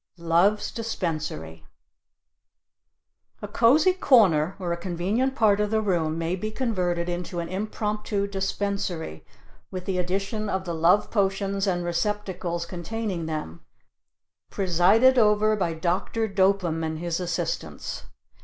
LOVE'S DISPENSARY A cozy corner or a convenient part of the room may be converted into an impromptu dispensary with the addition of the Love potions and receptacles containing them, presided over by Dr. Dopem and his assistants.